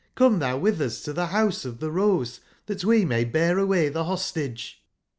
Come tbou witb us to tbe Rouse of tbe Rose tbat we may bear away tbe Rostage"j?